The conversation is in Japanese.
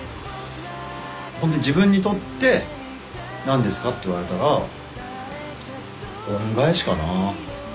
自分にとって何ですかって言われたら恩返しかな。